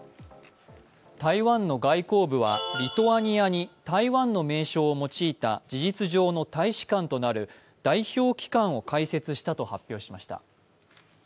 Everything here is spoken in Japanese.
台湾の外交部はリトアニアに台湾の名称を用いた事実上の大使館となる代表機関を開設したと発表しました。